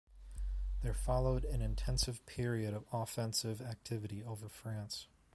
There followed an intensive period of offensive activity over France.